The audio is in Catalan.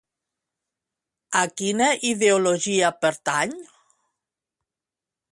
A quina ideologia pertany?